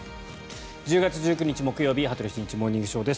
１０月１９日、木曜日「羽鳥慎一モーニングショー」。